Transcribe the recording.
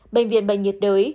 bệnh viện bệnh nhiệt đới